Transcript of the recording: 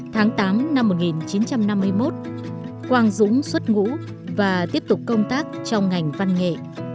tháng tám năm một nghìn chín trăm năm mươi một quang dũng xuất ngũ và tiếp tục công tác trong ngành văn nghệ